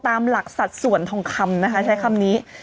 ตามหลักสัดส่วนทองคำนะคะใช้คำนี้